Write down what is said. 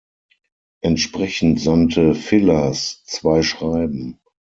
Entsprechend sandte Villars zwei Schreiben.